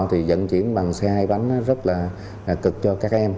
thì dẫn chuyển bằng xe hai bánh rất là cực cho các em